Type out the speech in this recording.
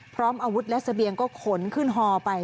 พร้อมอาวุธและเสบียงก็ขนขึ้นฮอไป